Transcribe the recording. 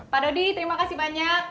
pak dodi terima kasih banyak